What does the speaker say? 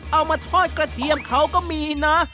เอามาทอดกระเทียมเขาก็มีนะ